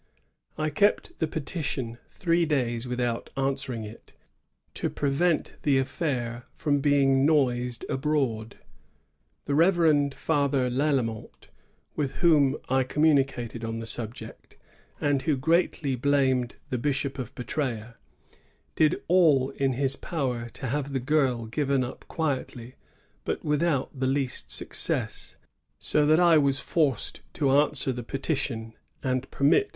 I kept the petition three days without answering it, to prevent the affair from being noised abroad. The Reverend Father Lalemant, with whom I communicated on the subject, and who greatly blamed the Bishop of Petrsea, did all in his power to have the girl given up quietly, but without the least success, so that I was forced to answer the petition, and permit M.